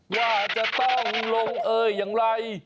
ว่าจะต้องลงเอยอย่างไร